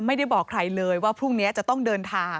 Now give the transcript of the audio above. ไม่ได้บอกใครเลยว่าพรุ่งนี้จะต้องเดินทาง